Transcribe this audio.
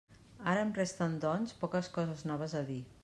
Ara em resten, doncs, poques coses noves a dir.